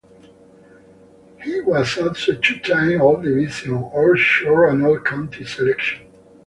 He was also a two-time All-Division, All-Shore and All-County selection.